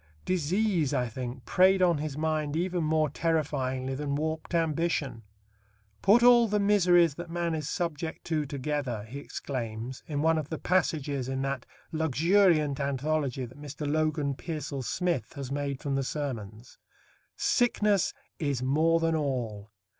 Disease, I think, preyed on his mind even more terrifyingly than warped ambition. "Put all the miseries that man is subject to together," he exclaims in one of the passages in that luxuriant anthology that Mr. Logan Pearsall Smith has made from the Sermons; "sickness is more than all